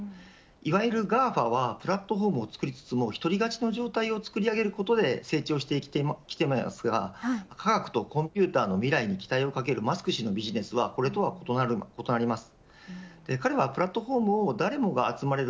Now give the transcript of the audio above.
いわゆるＧＡＦＡはプラットホームを作りつつも１人勝ちの状態を作り上げることで成長していますが科学とコンピューターの未来に期待を懸けるマスク氏のビジネスはこれとは異なります。